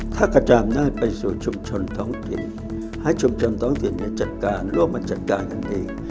ถ้ากระจายอำนาจไปสู่ชุมชนท้องถิ่นให้ชุมชนท้องถิ่นจัดการร่วมมาจัดการกันเอง